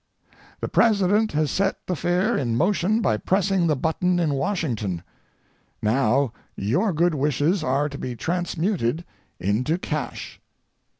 The President has set the fair in motion by pressing the button in Washington. Now your good wishes are to be transmuted into cash.